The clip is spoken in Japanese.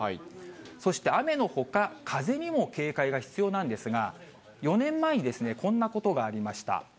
そして雨のほか、風にも警戒が必要なんですが、４年前にこんなことがありました。